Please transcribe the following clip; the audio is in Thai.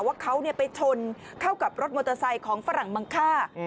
ว่าเขาไปชนเข้ากับรถมอเตอร์ไซค์ของฝรั่งมังค่า